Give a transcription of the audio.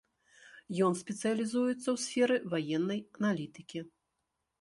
Ён спецыялізуецца ў сферы ваеннай аналітыкі.